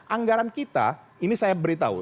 anggaran kita ini saya beritahu